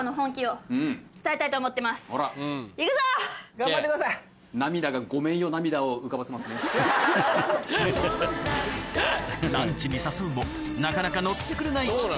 ・頑張ってください・ランチに誘うもなかなか乗ってくれない父